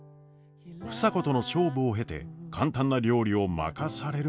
房子との勝負を経て簡単な料理を任されるまでになった暢子。